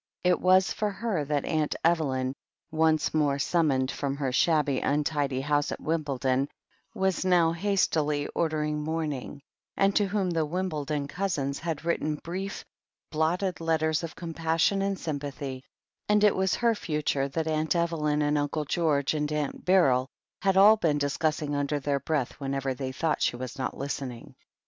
It was for her that Aunt Evelyn, once more sum moned from her shabby, untidy house at Wimbledon, was now hastily ordering mourning, and to whom the Wimbledon cousins had written brief, blotted letters of compassion and sympathy, and it was her future that Aunt Evelyn and Unde George and Aunt Beryl 4 THE HEEL OF ACHILLES had all been discussing under their breath whenever they thought she was not listening.